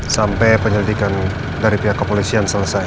sampai penyelidikan dari pihak kepolisian selesai